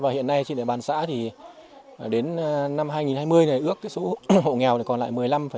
hiện nay trên địa bàn xã đến năm hai nghìn hai mươi ước số hộ nghèo còn lại một mươi năm bốn